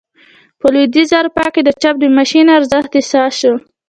په لوېدیځه اروپا کې د چاپ د ماشین ارزښت احساس شو.